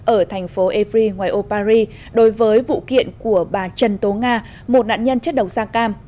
ở thành phố evry ngoài âu paris đối với vụ kiện của bà trần tố nga một nạn nhân chất đầu sang cam